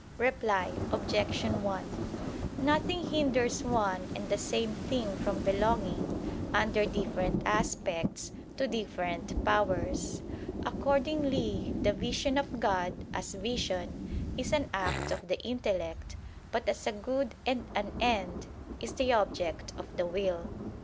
Reply Obj. 1: Nothing hinders one and the same thing from belonging, under different aspects, to different powers. Accordingly the vision of God, as vision, is an act of the intellect, but as a good and an end, is the object of the will.